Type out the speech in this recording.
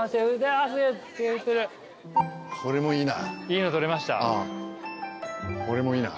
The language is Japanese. ああこれもいいな。